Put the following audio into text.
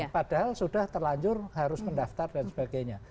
padahal sudah terlanjur harus mendaftar dan sebagainya